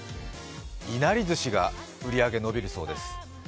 いなりずしが売り上げ伸びるそうです。